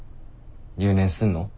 留年すんの？